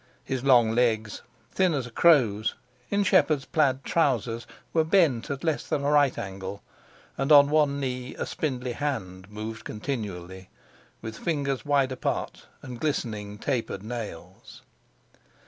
His long legs, thin as a crow's, in shepherd's plaid trousers, were bent at less than a right angle, and on one knee a spindly hand moved continually, with fingers wide apart and glistening tapered nails.